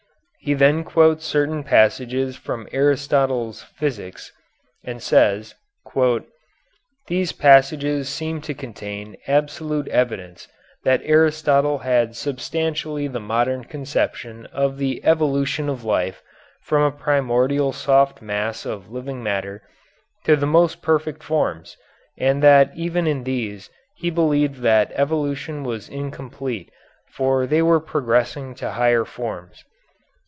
He then quotes certain passages from Aristotle's "Physics," and says: "These passages seem to contain absolute evidence that Aristotle had substantially the modern conception of the evolution of life, from a primordial, soft mass of living matter to the most perfect forms, and that even in these he believed that evolution was incomplete for they were progressing to higher forms."